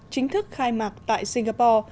chính thức khai mạc tại singapore